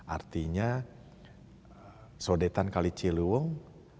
artinya sodetan kali ciliwung